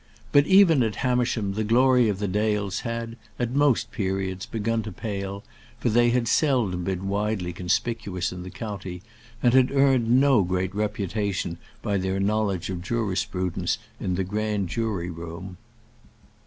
But even at Hamersham the glory of the Dales had, at most periods, begun to pale, for they had seldom been widely conspicuous in the county, and had earned no great reputation by their knowledge of jurisprudence in the grand jury room.